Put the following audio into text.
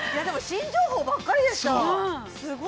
でも、新情報ばっかりでした。